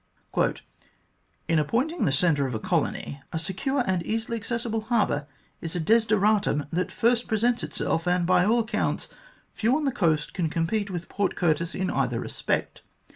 "In appointing the centre of a colony, a secure and easily accessible harbour is a desideratum that first presents itself, and, by all accounts, few on the coast can compete with Port Curtis in either respect.